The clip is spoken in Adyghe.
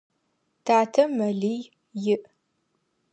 Татэ мэлий иӏ.